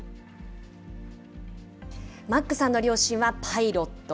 マックさんの両親はパイロット。